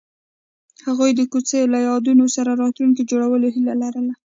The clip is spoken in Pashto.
هغوی د کوڅه له یادونو سره راتلونکی جوړولو هیله لرله.